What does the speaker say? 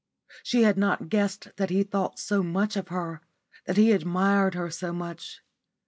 She had not guessed that he thought so much of her that he admired her so much.